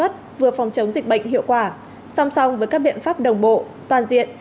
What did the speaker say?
đồng chí nguyễn văn nguyễn bộ y tế